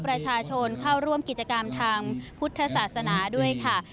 ประชาชนเข้าร่วมกิจกรรมทางพุทธศาสนาด้วยค่ะ